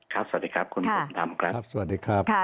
ครับสวัสดีครับคุณภูมิธรรมครับสวัสดีครับ